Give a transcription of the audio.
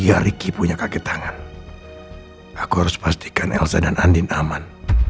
aku harus pastikan elsa dan andin aman